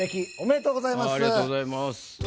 ありがとうございます。